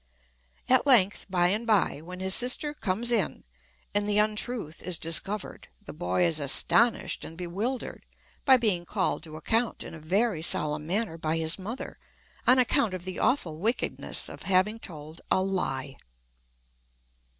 At length, by and by, when his sister conies in, and the untruth is discovered, the boy is astonished and bewildered by being called to account in a very solemn manner by his mother on account of the awful wickedness of having told a lie!